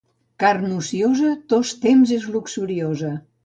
Carn ociosa tostemps és luxuriosa.